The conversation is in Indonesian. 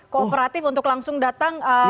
kooperatif untuk langsung datang